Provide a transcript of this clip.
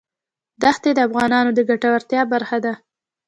ښتې د افغانانو د ګټورتیا برخه ده.